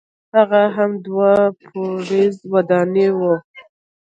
هغه هم دوه پوړیزه ودانۍ وه.